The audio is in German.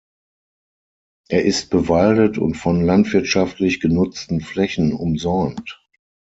Er ist bewaldet und von landwirtschaftlich genutzten Flächen umsäumt.